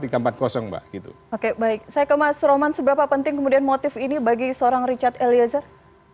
oke baik saya ke mas roman seberapa penting kemudian motif ini bagi seorang richard eliezer